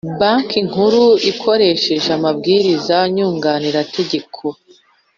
Banki Nkuru ikoresheje amabwiriza nyunganirategeko